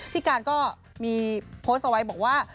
พี่การก็มีโพสต์เอาไว้บอกว่า